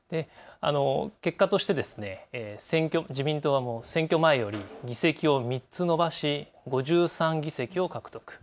結果として自民党は選挙前より議席を３つ伸ばし５３議席を獲得。